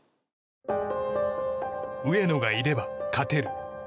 上野がいれば勝てる。